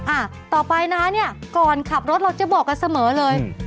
อ่ะต่อไปนะเนี่ยก่อนขับรถเราจะบอกกันเสมอเลย